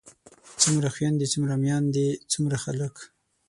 څومره خويندے څومره ميايندے څومره خلک